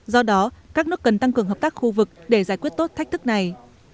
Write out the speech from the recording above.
do đó các nước cần tăng cường hợp tác khu vực để giải quyết tốt thách thức này